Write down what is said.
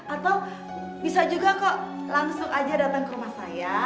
atau bisa juga kok langsung aja datang ke rumah saya